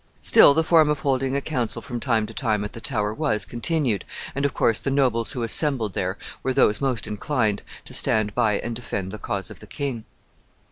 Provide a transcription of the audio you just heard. Still the form of holding a council from time to time at the Tower was continued, and, of course, the nobles who assembled there were those most inclined to stand by and defend the cause of the king.